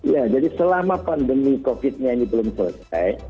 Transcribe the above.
ya jadi selama pandemi covid nya ini belum selesai